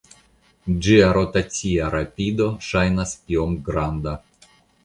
Ĝia rotacia rapido ŝajnas iom granda.